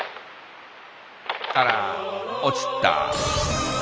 あらっ落ちた。